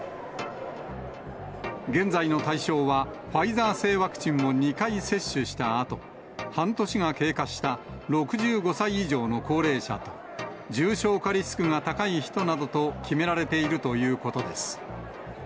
現在の対象は、ファイザー製ワクチンを２回接種したあと、半年が経過した６５歳以上の高齢者と、重症化リスクが高い人などと決められているということです。